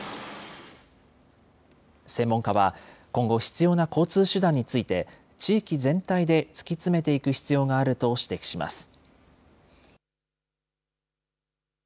専門家は今後、必要な交通手段について地域全体で突き詰めていく必要があると指摘します。